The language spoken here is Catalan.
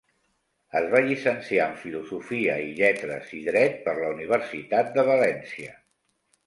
Es va llicenciar en Filosofia i Lletres i Dret per la Universitat de València.